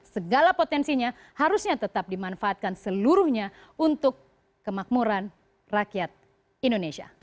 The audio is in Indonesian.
segala potensinya harusnya tetap dimanfaatkan seluruhnya untuk kemakmuran rakyat indonesia